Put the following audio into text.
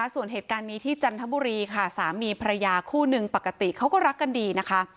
ส่วนเหตุการณ์นี้ที่จันทบุรีค่ะสามีภรรยาคู่หนึ่งปกติเขาก็รักกันดีนะคะ